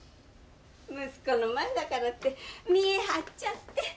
息子の前だからって見え張っちゃって。